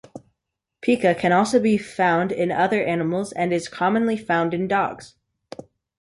Pica can also be found in other animals and is commonly found in dogs.